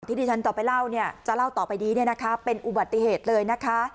ที่ดีฉันจะเล่าต่อไปดีนะคะเป็นอุบัติเหตุเลยนะคะ